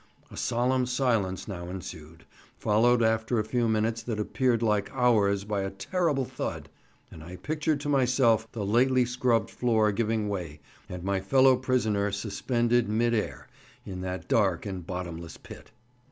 A solemn silence now ensued, followed after a few moments that appeared like hours by a terrible thud; and I pictured to myself the lately scrubbed floor giving way, and my fellow prisoner suspended mid air in that dark and bottomless pit.